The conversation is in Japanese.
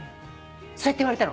そうやって言われたの。